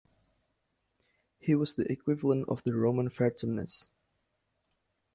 He was the equivalent of the Roman Vertumnus.